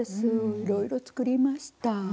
いろいろ作りました。